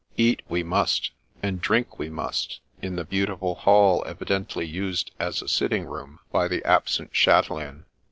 Eat we must, and drink we must, in the beautiful hall evi dently used as a sitting room by the absent chate laine.